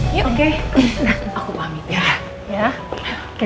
tentu aku pamit ya